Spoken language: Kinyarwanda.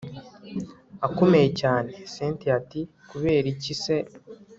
akomeye cyane cyntia ati kuberiki se